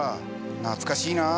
懐かしいなあ。